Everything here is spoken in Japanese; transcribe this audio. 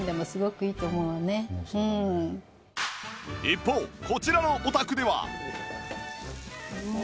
一方こちらのお宅では